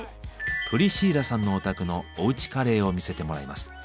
プリシーラさんのお宅のおうちカレーを見せてもらいます。